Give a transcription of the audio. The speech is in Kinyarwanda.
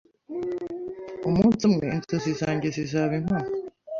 Umunsi umwe inzozi zanjye zizaba impamo.